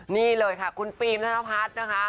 นี่เลยค่ะคุณฟิล์มท่านภัทรนะคะ